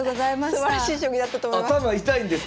すばらしい将棋だったと思います。